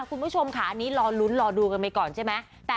คุณผู้ชมค่ะอันนี้รอลุ้นรอดูกันไปก่อนใช่ไหม